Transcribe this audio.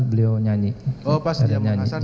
beliau nyanyi oh pas di makassar